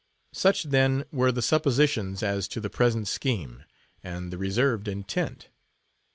Such, then, were the suppositions as to the present scheme, and the reserved intent.